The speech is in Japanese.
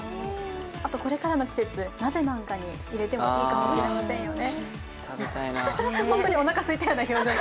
あとこれからの季節、鍋なんかに入れてもいいかもしれませんね。